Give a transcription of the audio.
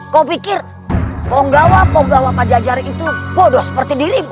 kau pikir ponggawa ponggawa pajajaran itu bodoh seperti dirimu